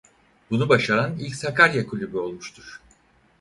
Bunu başaran ilk Sakarya kulübü olmuştur.